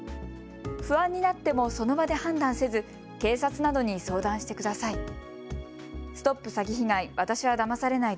不安になってもその場で判断せず警察などに相談してください。